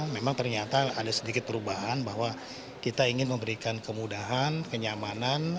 memang ternyata ada sedikit perubahan bahwa kita ingin memberikan kemudahan kenyamanan